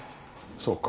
そうか。